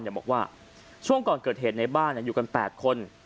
บอกว่าช่วงก่อนเกิดเหตุในบ้านอยู่กัน๘คน